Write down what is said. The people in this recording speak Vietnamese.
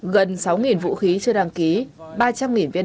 gần sáu ngày tàu efesios năm trăm hai mươi đã bị bắt giữ trên vùng biển động